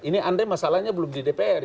ini andai masalahnya belum di dpr